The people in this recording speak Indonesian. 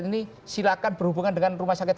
ini silakan berhubungan dengan rumah sakit